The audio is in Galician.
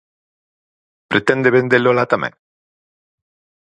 Pretende vendelo alá tamén?